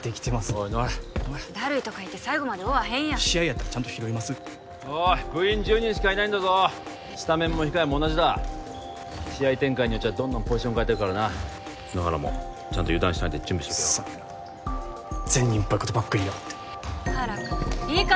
おい野原ダルいとか言って最後まで追わへんやん試合やったらちゃんと拾いますおい部員１０人しかいないんだぞスタメンも控えも同じだ試合展開によっちゃどんどんポジションかえていくからな野原もちゃんと油断しないで準備しとけようっさいな善人っぽいことばっか言いやがって野原くん言い方！